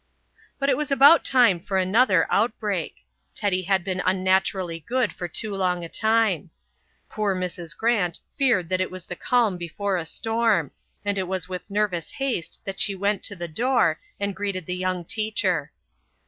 But it was about time for another outbreak. Teddy had been unnaturally good for too long a time. Poor Mrs. Grant feared that it was the calm before a storm, and it was with nervous haste that she went to the door and greeted the young teacher.